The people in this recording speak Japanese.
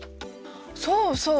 そうそう！